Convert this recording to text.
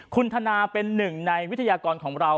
คุณธนาเป็นหนึ่งในวิทยากรของเรา